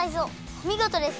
おみごとです！